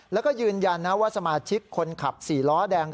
แล้วก็ยืนยันนะว่าสมาชิกคนขับ๔ล้อแดง